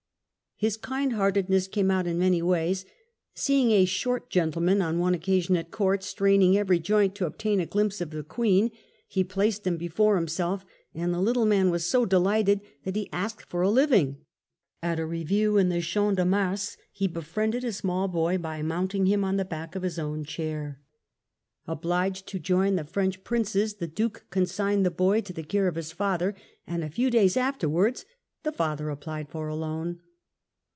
" His kind hearted ness came out in many ways. Seeing a short gentleman, on one occasion at Court, straining every joint to obtain a glimpse of the Queen, he placed him before himself, and the little man was so delighted that he asked for a living. At a review in the Champ de Mars, he be friended a small boy J)y mounting him on the back of his own chair. Obliged to join the French Princes, the Duke consigned the boy to the care of his father, and a few days afterwards the father applied for a loan.